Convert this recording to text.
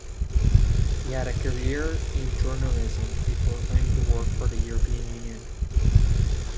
He had a career in journalism before going to work for the European Union.